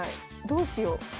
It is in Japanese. どうしよう。